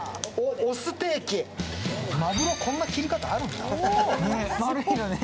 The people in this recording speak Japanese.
尾ステーキ、まぐろ、こんな切り方あるんだ。